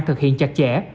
thực hiện chặt chẽ